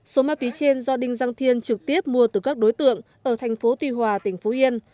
số ma túy trên do đinh giang thiên trực tiếp mua từ các đối tượng ở thành phố tuy hòa tỉnh phú yên